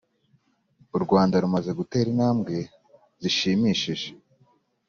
u rwanda rumaze gutera intambwe zishimishije